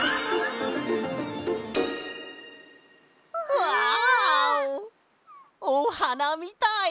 うわ！おはなみたい！